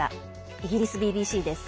イギリスＢＢＣです。